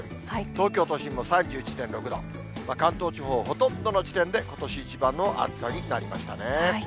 東京都心も３１．６度、関東地方、ほとんどの地点でことし一番の暑さになりましたね。